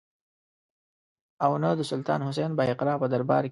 او نه د سلطان حسین بایقرا په دربار کې.